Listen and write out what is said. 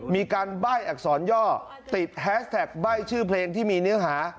มีการใบ้อักษรย่อติดแฮสแท็กใบ้ชื่อเพลงที่มีเนื้อหา